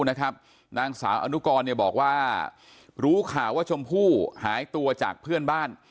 นางสาวอนุกรบอกว่ารู้ข่าวว่าชมพู่หายตัวจากเพื่อนบ้าน